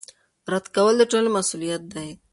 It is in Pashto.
رد کول د ټولنې مسوولیت دی